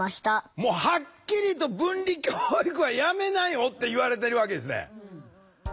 もうはっきりと分離教育はやめなよって言われてるわけですね。